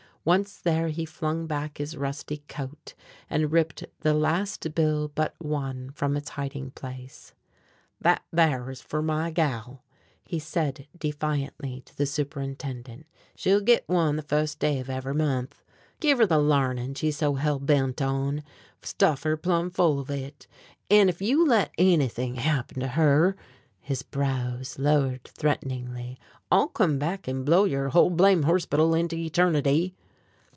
Once there he flung back his rusty coat and ripped the last bill but one from its hiding place. "That thar is fer my gal," he said defiantly to the superintendent. "She'll git one the fust day of every month. Give her the larnin' she's so hell bent on, stuff her plumb full on it. An' ef you let ennything happen to her" his brows lowered threateningly "I'll come back an' blow yer whole blame' horspittle into eternity!"